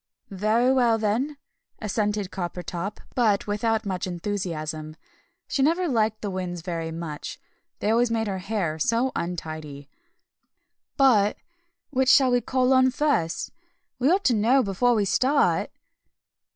"Very well, then," assented Coppertop, but without much enthusiasm; she never liked the Winds very much, they always made her hair so untidy. "But which shall we call on first? We ought to know before we start."